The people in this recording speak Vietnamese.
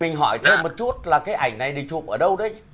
mình hỏi thêm một chút là cái ảnh này thì chụp ở đâu đấy